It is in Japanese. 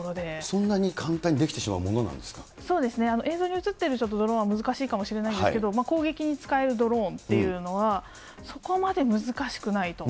そんなに簡単に出来てしまうそうですね、映像に映ってるドローンは難しいかもしれませんけれども、攻撃に使えるドローンっていうのは、そこまで難しくないと。